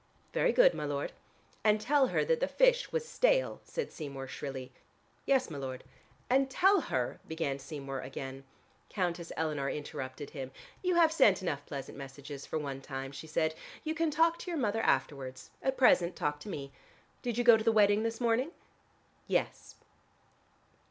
"Very good, my lord." "And tell her that the fish was stale," said Seymour shrilly. "Yes, my lord." "And tell her " began Seymour again. Countess Eleanor interrupted him. "You have sent enough pleasant messages for one time," she said. "You can talk to your mother afterwards: at present talk to me. Did you go to the wedding this morning?" "Yes."